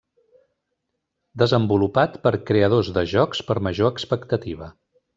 Desenvolupat per creadors de jocs per a major expectativa.